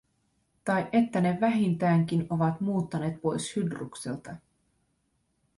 Tai että ne vähintäänkin ovat muuttaneet pois Hydrukselta.